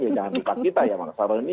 ya jangan lupa kita ya bank caroni